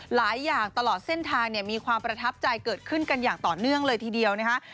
หลายอย่างตลอดเส้นทางเนี่ยมีความประทับใจเกิดขึ้นกันอย่างต่อเนื่องเลยทีเดียวนะคะ